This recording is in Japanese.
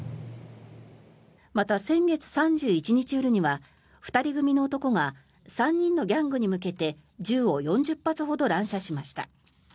また、先月３１日夜には２人組の男が３人のギャングに向けて銃を４０発ほど乱射しました。